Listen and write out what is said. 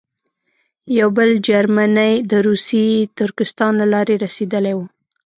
یو بل جرمنی د روسي ترکستان له لارې رسېدلی وو.